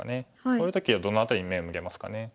こういう時はどの辺りに目を向けますかね。